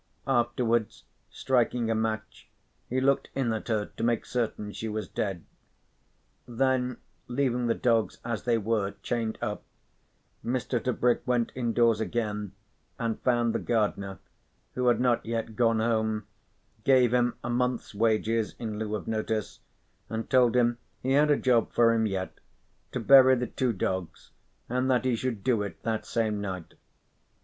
Afterwards, striking a match, he looked in at her to make certain she was dead. Then, leaving the dogs as they were, chained up, Mr. Tebrick went indoors again and found the gardener, who had not yet gone home, gave him a month's wages in lieu of notice and told him he had a job for him yet to bury the two dogs and that he should do it that same night.